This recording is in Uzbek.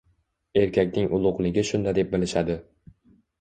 Erkakning ulug‘ligi shunda deb bilishadi